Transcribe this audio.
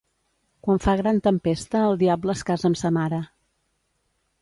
Quan fa gran tempesta el diable es casa amb sa mare.